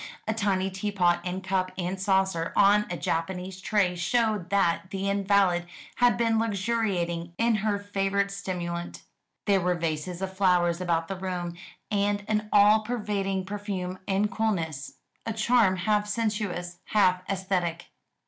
A tiny teapot and cup and saucer on a Japanese tray showed that the invalid had been luxuriating in her favourite stimulant. There were vases of flowers about the room, and an all pervading perfume and coolness a charm half sensuous, half aesthetic.